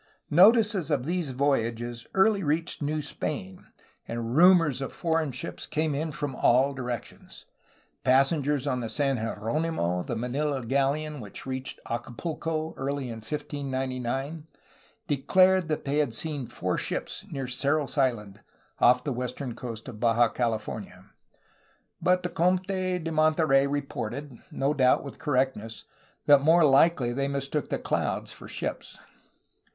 Notice of these voyages early reached New Spain, and rumors of foreign ships came in from all directions. Passengers on the San GeronimOy the Manila galleon which reached Acapulco early in 1599, declared they had seen four ships near Cerros Island, off the western coast of Baja California, but the Conde de Monterey reported, no doubt with correctness, that more likely they mistook the clouds for ships.